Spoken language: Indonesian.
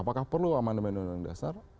apakah perlu amandemen undang undang dasar